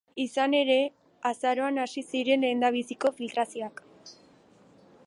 Izan ere, azaroan hasi ziren lehendabiziko filtrazioak.